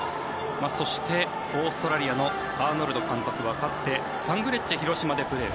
そして、オーストラリアのアーノルド監督はかつてサンフレッチェ広島でプレー。